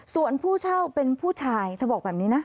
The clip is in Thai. ส่วนผู้เช่าเป็นผู้ชายเธอบอกแบบนี้นะ